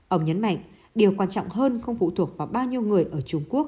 ông nhấn mạnh điều quan trọng hơn không phụ thuộc vào bao nhiêu người ở trung quốc